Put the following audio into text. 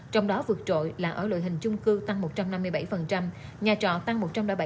trong đó vượt trội là ở loại hình chung cư tăng một trăm năm mươi bảy nhà trọ tăng một trăm linh bảy